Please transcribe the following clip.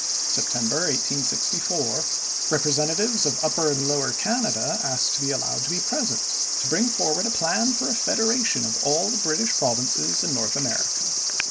September 1864, representatives of Upper and Lower Canada asked to be allowed to be present to bring forward a plan for a Federation of all the British Provinces in North America.